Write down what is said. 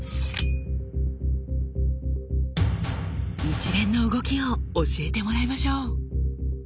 一連の動きを教えてもらいましょう。